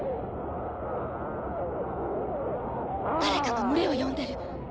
誰かが群れを呼んでる。